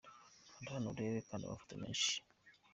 Kanda hano urebe andi mafoto menshi:.